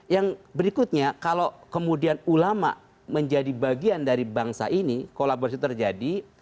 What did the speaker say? yang berikutnya kalau kemudian ulama menjadi bagian dari bangsa ini kolaborasi terjadi